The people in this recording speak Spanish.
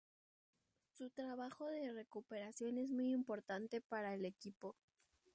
Su trabajo de recuperación es muy importante para el equipo.